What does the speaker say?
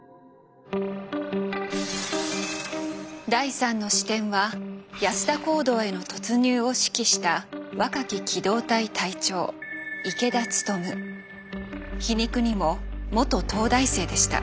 第３の視点は安田講堂への突入を指揮した若き機動隊隊長皮肉にも元東大生でした。